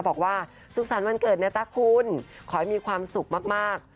บอกว่าสุขสรรค์วันเกิดนะจ๊ะคุณขอให้มีความสุขมาก